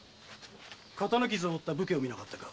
刀傷を負った武家を見なかったか？